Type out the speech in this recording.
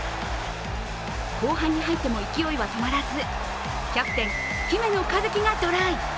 後半に入っても勢いは止まらず、キャプテン・姫野和樹がトライ。